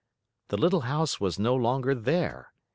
The little house was no longer there.